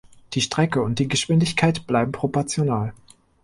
Die Strecke und die Geschwindigkeit bleiben proportional.